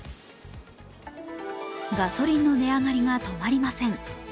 ガソリンの値上がりが止まりません。